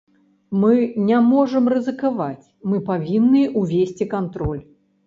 Мы не можам рызыкаваць, мы павінны ўвесці кантроль.